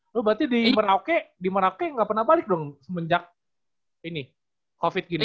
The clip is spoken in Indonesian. loh berarti di merauke di merauke nggak pernah balik dong semenjak ini covid gini